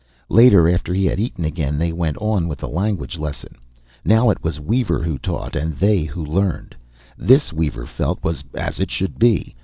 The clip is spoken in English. Later, after he had eaten again, they went on with the language lesson. Now it was Weaver who taught, and they who learned. This, Weaver felt, was as it should be.